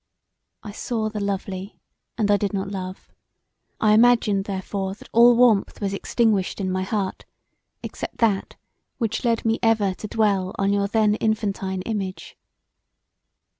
I saw the lovely and I did not love, I imagined therefore that all warmth was extinguished in my heart except that which led me ever to dwell on your then infantine image.